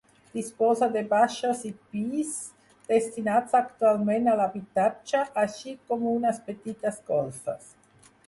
Disposa de baixos i pis, destinats actualment a l'habitatge, així com unes petites golfes.